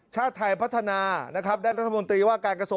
ชาติไทยพัฒนานะครับได้รัฐมนตรีว่าการกระทรวง